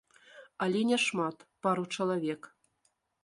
Але не шмат, пару чалавек.